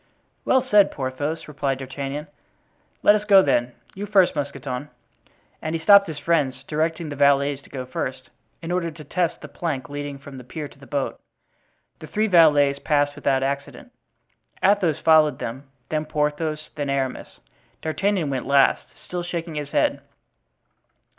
"Well said, Porthos," replied D'Artagnan. "Let us go, then. You first, Mousqueton," and he stopped his friends, directing the valets to go first, in order to test the plank leading from the pier to the boat. The three valets passed without accident. Athos followed them, then Porthos, then Aramis. D'Artagnan went last, still shaking his head.